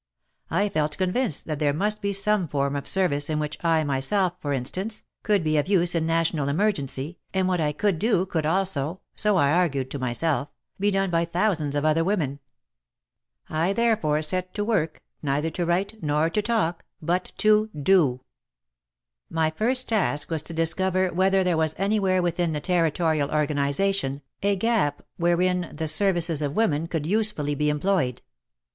I felt convinced that there must be some form of service in which I myself, for instance, could be of use in national emergency, and what I could do, could also — so I argued to myself — be done by thousands of other women. I therefore set to work neither to write nor to talk, but to do. My first task was to discover whether there was anywhere within the Territorial organ ization, a gap wherein the services of women could usefully be employed.